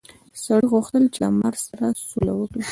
سړي غوښتل چې له مار سره سوله وکړي.